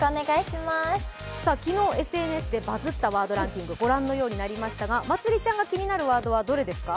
昨日、ＳＮＳでバズったワードランキング、ご覧のようになりましたがまつりちゃんが気になるワードはどれですか？